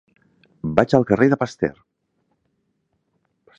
Vaig al carrer de Pasteur.